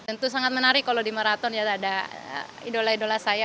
tentu sangat menarik kalau di marathon ya ada idola idola saya